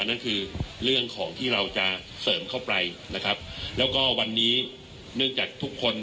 นั่นคือเรื่องของที่เราจะเสริมเข้าไปนะครับแล้วก็วันนี้เนื่องจากทุกคน